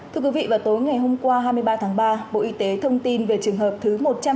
thưa quý vị vào tối ngày hôm qua hai mươi ba tháng ba bộ y tế thông tin về trường hợp thứ một trăm ba mươi